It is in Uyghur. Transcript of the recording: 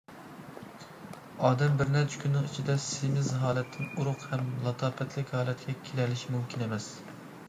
ئادەم بىر نەچچە كۈننىڭ ئىچىدە سېمىز ھالەتتىن ئورۇق ھەم لاتاپەتلىك ھالەتكە كېلەلىشى مۇمكىن ئەمەس.